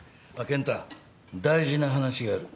健太大事な話がある。